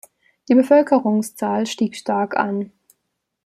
Die Bevölkerungszahl stieg stark an.